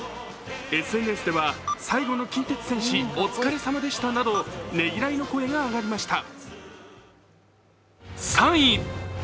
ＳＮＳでは、最後の近鉄戦士、お疲れさまでしたなどねぎらいの声が上がりました。